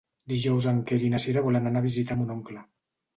Dijous en Quer i na Cira volen anar a visitar mon oncle.